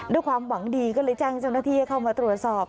ด้วยความหวังดีก็เลยแจ้งเจ้าหน้าที่ให้เข้ามาตรวจสอบ